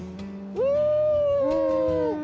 うん！